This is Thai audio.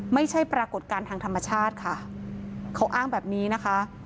ไม่ใช่ปรากฏการณ์ทางธรรมชาติค่ะเขาอ้างแบบนี้นะคะ